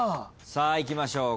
さあいきましょう。